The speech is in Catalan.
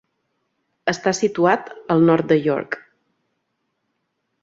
Està situat al nord de York.